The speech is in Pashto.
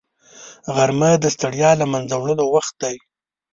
غرمه د ستړیا له منځه وړلو وخت دی